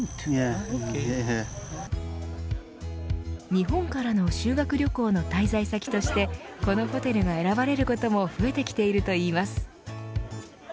日本からの修学旅行の滞在先としてこのホテルが選ばれることも増えてきているといいます。